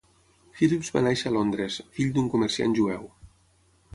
Phillips va néixer a Londres, fill d'un comerciant jueu.